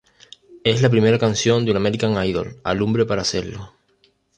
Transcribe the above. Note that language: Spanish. Es la primera canción de un American Idol alumbre para hacerlo.